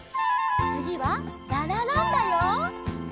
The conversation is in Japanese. つぎはララランだよ。